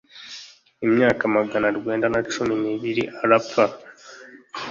imyaka magana urwenda na cumi nibiri arapfa